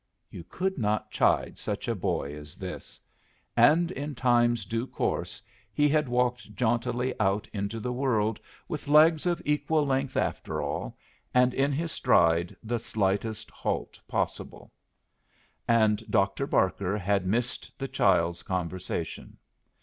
You could not chide such a boy as this; and in time's due course he had walked jauntily out into the world with legs of equal length after all and in his stride the slightest halt possible. And Doctor Barker had missed the child's conversation.